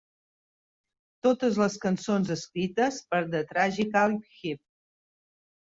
Totes les cançons escrites per The Tragically Hip.